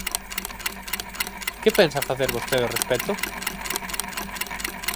¿Que pensa facer vostede ao respecto?